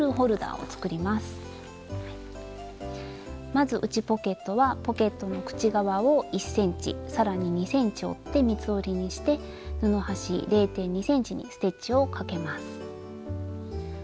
まず内ポケットはポケットの口側を１ｃｍ更に２ｃｍ折って三つ折りにして布端０．２ｃｍにステッチをかけます。